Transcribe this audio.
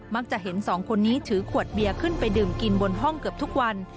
จะเห็นสองคนนี้ถือขวดเบียร์ขึ้นไปดื่มกินบนห้องเกือบทุกวัน